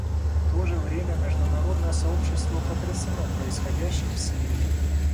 В то же время международное сообщество потрясено происходящим в Сирии.